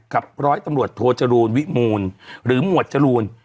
ร้อยตำรวจโทจรูลวิมูลหรือหมวดจรูน